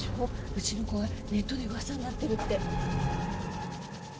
うちの子がネットでウワサになってるって。